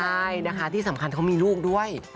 ใช่นะคะที่สำคัญเขามีลูกด้วย